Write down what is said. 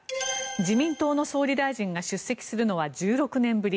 自民党の総理大臣が出席するのは１６年ぶり。